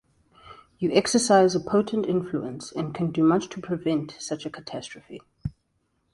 You exercise a potent influence and can do much to prevent such a catastrophe.